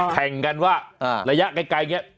แข่งกันว่าระยะไกลอย่างนี้